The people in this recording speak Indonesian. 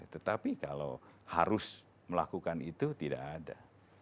tetapi kalau harus melakukan itu tidak ada